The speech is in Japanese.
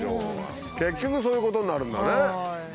結局そういうことになるんだね。